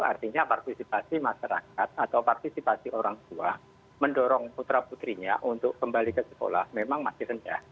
artinya partisipasi masyarakat atau partisipasi orang tua mendorong putra putrinya untuk kembali ke sekolah memang masih rendah